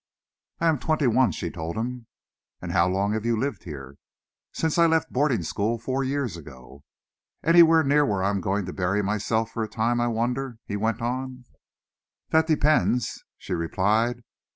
"I am twenty one," she told him. "And how long have you lived here?" "Since I left boarding school, four years ago." "Anywhere near where I am going to bury myself for a time, I wonder?" he went on. "That depends," she replied.